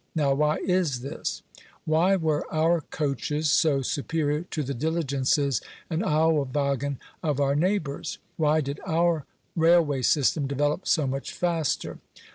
Now why is this ? Why were our coaches so superior to the diligences and eilwagen of our neighbours? Why did our railway system develop so much faster